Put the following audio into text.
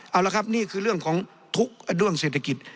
เอาละครับนี่คือเรื่องของทุกข์ด้วงเศรษฐกิจ